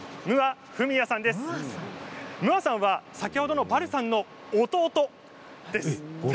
ムアさんは、先ほどのバルさんの弟です。